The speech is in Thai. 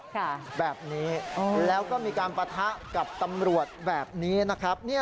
ค่ะแบบนี้แล้วก็มีการปะทะกับตำรวจแบบนี้นะครับ